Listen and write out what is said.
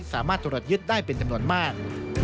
สามารถตรวจยึดได้เป็นจำนวนมาก